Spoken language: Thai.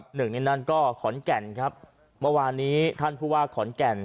หนึ่งในนั้นก็ขอนแก่นครับเมื่อวานนี้ท่านผู้ว่าขอนแก่น